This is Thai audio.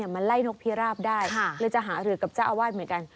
มาไล่นกพิราบได้เลยจะหารือกับเจ้าอาวาสเหมือนกัน